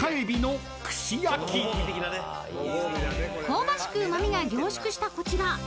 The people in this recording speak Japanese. ［香ばしくうま味が凝縮したこちら］